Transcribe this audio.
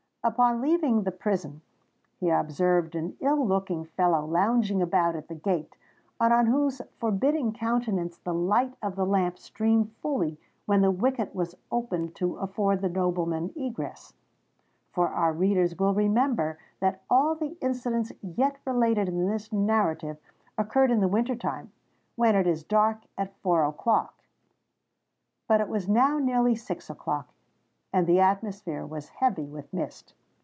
Upon leaving the prison, he observed an ill looking fellow lounging about at the gate, and on whose forbidding countenance the light of the lamp streamed fully when the wicket was opened to afford the nobleman egress:—for our readers will remember that all the incidents yet related in this narrative occurred in the winter time, when it is dark at four o'clock. But it was now nearly six o'clock; and the atmosphere was heavy with mist.